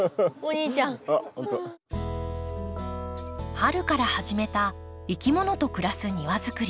春から始めたいきものと暮らす庭作り。